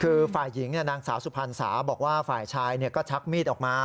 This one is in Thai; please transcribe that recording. คือฝ่ายหญิงนางสาวสุพรรณสาบอกว่าฝ่ายชายก็ชักมีดออกมา